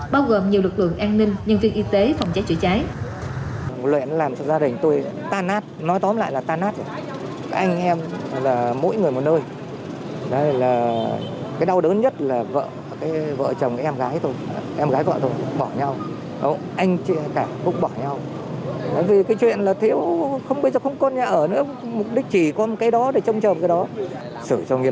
bao gồm nhiều lực lượng an ninh nhân viên y tế phòng cháy chữa cháy